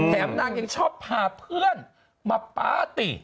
แถมนางยังชอบพาเพื่อนมาปาร์ตี้